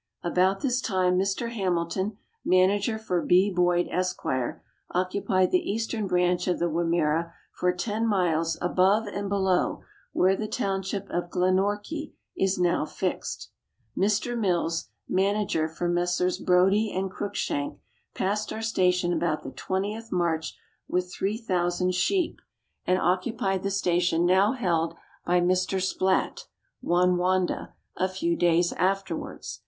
About this time Mr. Hamilton, manager for B. Boyd, Esq., occupied the eastern branch of the Wimmera for ten miles above and below where the township of Glenorchy is DOW fixed. Mr. Mills, manager for Messrs. Brodie and Cruikshank, passed our station about the 20th March with 3,000 sheep, and 190 Letters from Victorian Pioneers, occupied the station now held by Mr. Splatt (Wouwondah) a few days afterwards.